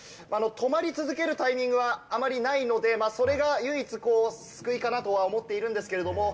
止まり続けるタイミングはあまりないのでそれが唯一救いかなとは思っているんですけれども。